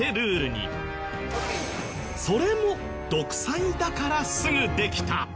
それも独裁だからすぐできた！